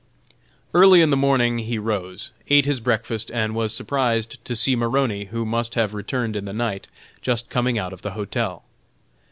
Early in the morning he arose, ate his breakfast, and was surprised to see Maroney, who must have returned in the night, just coming out of the hotel.